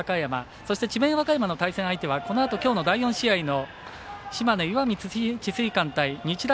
そして、智弁和歌山の対戦相手はこのあとの第４試合の島根・石見智翠館対日大